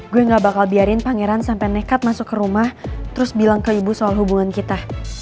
gue gak bakal biarin pangeran sampai nekat masuk ke rumah terus bilang ke ibu soal hubungan kita